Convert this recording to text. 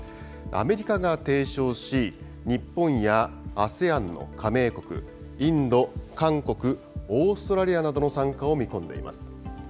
アメリカが提唱し、日本やＡＳＥＡＮの加盟国、インド、韓国、オーストラリアなどの参加を見込んでいます。